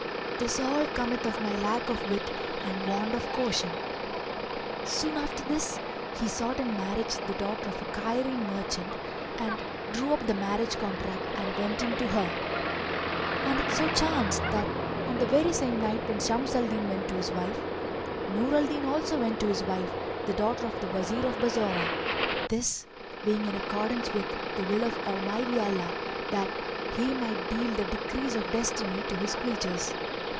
This all cometh of my lack of wit and want of caution." Soon after this he sought in marriage the daughter of a Cairene merchant, [FN#382] and drew up the marriage contract and went in to her. And it so chanced that, on the very same night when Shams al Din went in to his wife, Nur al Din also went in to his wife the daughter of the Wazir of Bassorah; this being in accordance with the will of Almighty Allah, that He might deal the decrees of Destiny to His creatures.